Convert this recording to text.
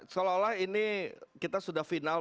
seolah olah ini kita sudah final